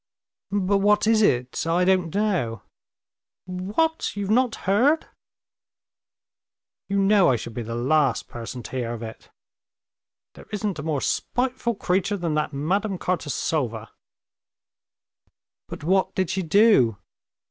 "But what is it? I don't know." "What? you've not heard?" "You know I should be the last person to hear of it." "There isn't a more spiteful creature than that Madame Kartasova!" "But what did she do?"